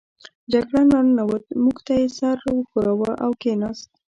جګړن را ننوت، موږ ته یې سر و ښوراوه او کېناست.